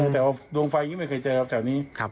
แต่ว่าดวงไฟไม่เคยเจอแบบนี้